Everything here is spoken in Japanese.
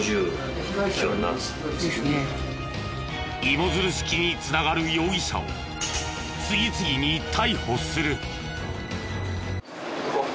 芋づる式に繋がる容疑者を次々に逮捕する。